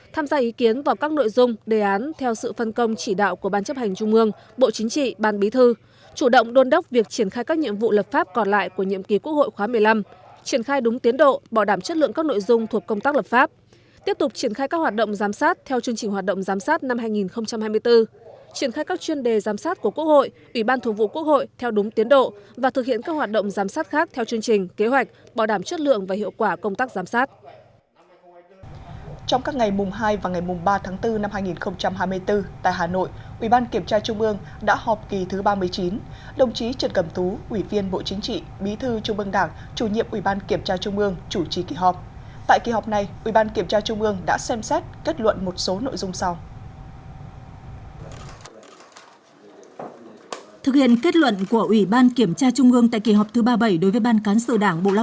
tham gia ý kiến vào các nội dung đề án theo sự phân công chỉ đạo của ban chấp hành trung ương bộ chính trị ban bí thư chủ động đôn đốc việc triển khai các nhiệm vụ lập pháp còn lại của nhiệm kỳ quốc hội khóa một mươi năm triển khai đúng tiến độ bỏ đảm chất lượng các nội dung thuộc công tác lập pháp